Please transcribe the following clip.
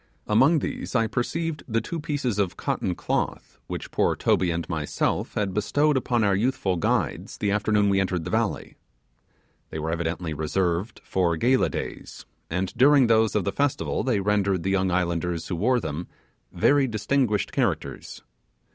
Among these I perceived two pieces of cotton cloth which poor Toby and myself had bestowed upon our youthful guides the afternoon we entered the valley. They were evidently reserved for gala days; and during those of the festival they rendered the young islanders who wore them very distinguished characters.